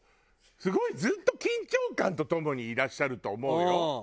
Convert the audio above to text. すごいずっと緊張感とともにいらっしゃると思うよ本当。